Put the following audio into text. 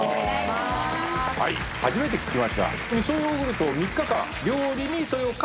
初めて聞きました。